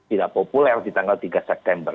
tidak populer di tanggal tiga september